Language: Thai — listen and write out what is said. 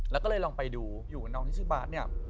แล้วก็เลยลองไปดูอยู่กับน้องที่ชื่อบาสเนี่ย